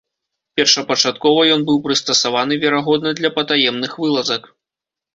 Першапачаткова ён быў прыстасаваны, верагодна, для патаемных вылазак.